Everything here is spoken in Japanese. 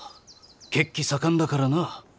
血気盛んだからな。